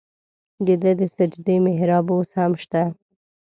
د ده د سجدې محراب اوس هم شته.